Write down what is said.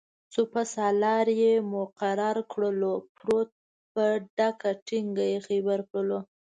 سپه سالار یې مقرر کړلو-پروت په ډکه ټینګ یې خیبر کړلو